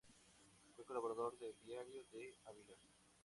Fue colaborador del "Diario de Ávila".